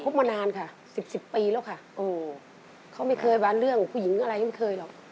มานานค่ะสิบสิบปีแล้วค่ะโอ้เขาไม่เคยบานเรื่องผู้หญิงอะไรไม่เคยหรอก